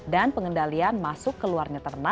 dan pengendalian masuk ke luar